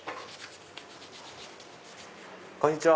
こんにちは。